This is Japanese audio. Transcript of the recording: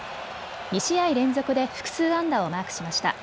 ２試合連続で複数安打をマークしました。